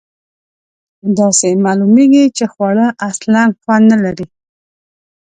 داسې معلومیږي چې خواړه اصلآ خوند نه لري.